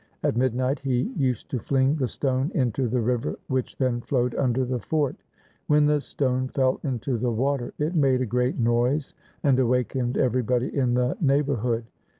At midnight he used to fling the stone into the river which then flowed under the fort. When the stone fell into the water it made a great noise, and awakened everybody in the neighbourhood.